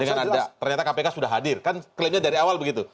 dengan anda ternyata kpk sudah hadir kan klaimnya dari awal begitu